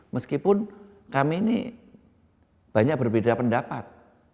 meskipun kami ini banyak berbeda pendapat